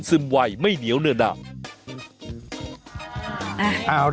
ซึมไหวไม่เหนียวเรือนั้น